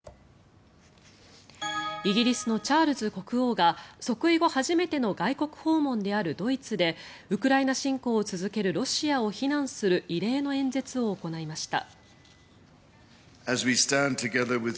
イギリスのチャールズ国王が即位後初めての外国訪問であるドイツでウクライナ侵攻を続けるロシアを非難する異例の演説を行いました。